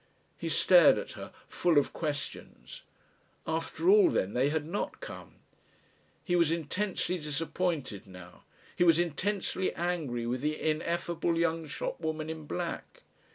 He stared at her, full of questions. After all, then, they had not come. He was intensely disappointed now, he was intensely angry with the ineffable young shop woman in black.